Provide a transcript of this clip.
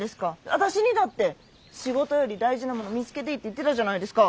私にだって「仕事より大事なもの見つけていい」って言ってたじゃないですか。